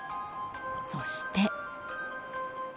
そして。